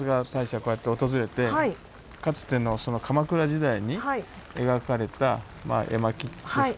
こうやって訪れてかつての鎌倉時代に描かれたまあ絵巻ですか。